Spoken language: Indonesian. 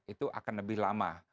itu akan lebih lama